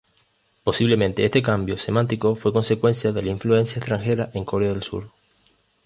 Posiblemente este cambio semántico fue consecuencia de la influencia extranjera en Corea del Sur.